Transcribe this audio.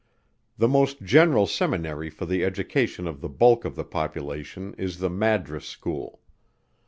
The most general seminary for the education of the bulk of the population is the Madras School.